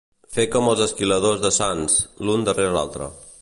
Fer com els esquiladors de Sants, l'un darrere l'altre.